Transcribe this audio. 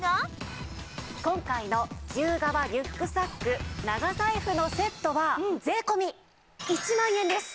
今回の牛革リュックサック＆長財布のセットは税込１万円です。